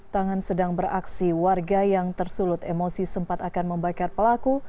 tangan sedang beraksi warga yang tersulut emosi sempat akan membakar pelaku